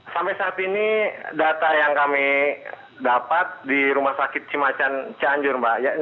sampai saat ini data yang kami dapat di rumah sakit cimacan cianjur mbak